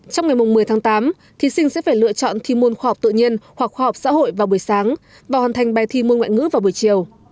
trong ngày một mươi tháng tám thí sinh sẽ phải lựa chọn thi môn khoa học tự nhiên hoặc khoa học xã hội vào buổi sáng và hoàn thành bài thi môn ngoại ngữ vào buổi chiều